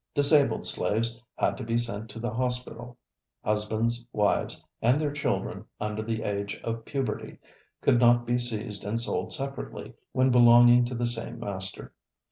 Disabled slaves had to be sent to the hospital. Husbands, wives, and their children under the age of puberty could not be seized and sold separately when belonging to the same master.